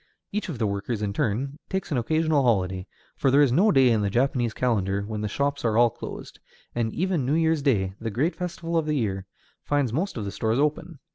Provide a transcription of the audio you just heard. Each of the workers, in turn, takes an occasional holiday, for there is no day in the Japanese calendar when the shops are all closed; and even New Year's Day, the great festival of the year, finds most of the stores open.